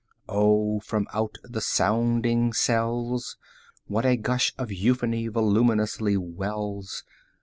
Oh, from out the sounding cells, 25 What a gush of euphony voluminously wells!